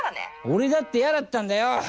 俺だって嫌だったんだよ！